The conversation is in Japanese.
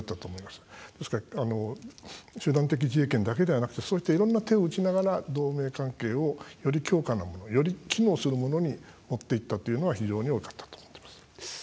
ですから集団的自衛権だけではなくてそういったいろんな手を打ちながら同盟関係を、より強固なものより機能するものに持っていったというのは非常に大きかったと思っています。